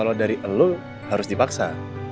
kalo dari elu harus dipaksa